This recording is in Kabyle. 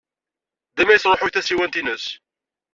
Dima yesṛuḥuy tasiwant-nnes.